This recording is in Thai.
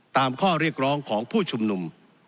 ตามข้อเรียกร้องของผู้ชุมนุม